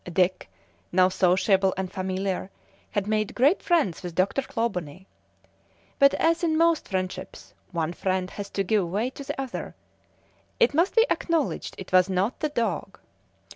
Dick, now sociable and familiar, had made great friends with Dr. Clawbonny. But as in most friendships one friend has to give way to the other, it must be acknowledged it was not the dog.